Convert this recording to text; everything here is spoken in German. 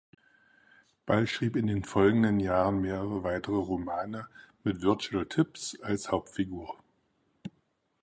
Ball schrieb in den folgenden Jahren mehrere weitere Romane mit Virgil Tibbs als Hauptfigur.